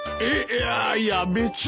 いやいや別に。